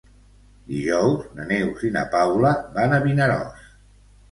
Dijous na Neus i na Paula van a Vinaròs.